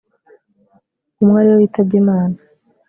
umwe ari we witabye Imana